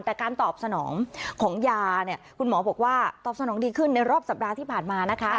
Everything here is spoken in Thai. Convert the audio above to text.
แต่การตอบสนองของยาเนี่ยคุณหมอบอกว่าตอบสนองดีขึ้นในรอบสัปดาห์ที่ผ่านมานะคะ